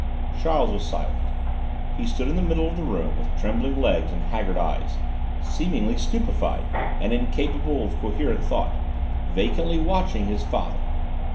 Charles was silent. He stood in the middle of the room, with trembling legs and haggard eyes, seemingly stupefied and incapable of coherent thought, vacantly watching his father.